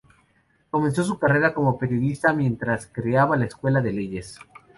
Comenzó su carrera como periodista mientras se creaba la escuela de leyes.